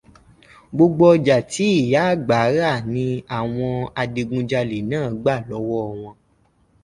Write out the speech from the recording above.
Gbogbo ọjà tí ìyá àgbà rà ní àwọn adigunjalẹ̀ náà gbà lọ́wọ́ wọn.